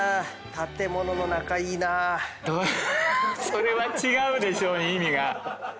それは違うでしょう意味が。